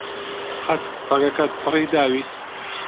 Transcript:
قەت سەگەکەت پڕی داویت؟